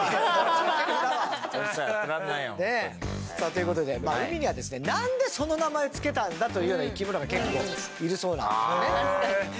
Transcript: ということで海には何でその名前を付けたんだという生き物が結構いるそうなんですね。